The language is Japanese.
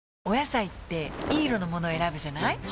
お野菜っていい色のもの選ぶじゃない？